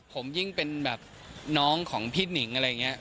ผมยิ่งเป็นแบบน้องของพี่หนิงอะไรอย่างนี้